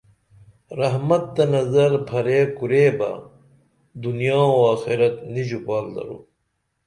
رحمت تہ نظر پھریع کوریبہ دنیا و آخرت نی ژوپال درو